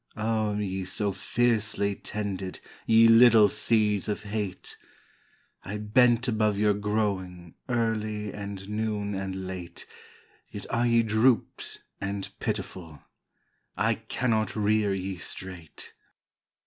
Oh, ye so fiercely tended, Ye little seeds of hate! I bent above your growing Early and noon and late, Yet are ye drooped and pitiful, I cannot rear ye straight!